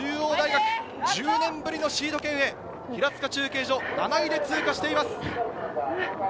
中央大、１０年ぶりのシード権へ、平塚中継所７位で通過しています。